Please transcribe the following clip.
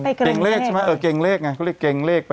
เกรงเลขใช่ไหมเออเกรงเลขไงเขาเรียกเกรงเลขไป